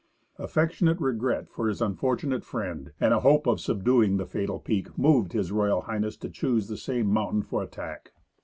Affectionate regret for his unfortunate friend, and a hope of subduing the fatal peak, moved H.R. H. to choose the same mountain for attack.